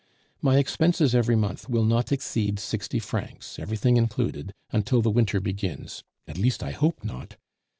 My expenses every month will not exceed sixty francs, everything included, until the winter begins at least I hope not.